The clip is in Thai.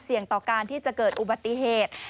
ต่อการที่จะเกิดอุบัติเหตุ